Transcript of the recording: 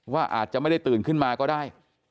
อาจจะไม่ได้ตื่นขึ้นมาก็ได้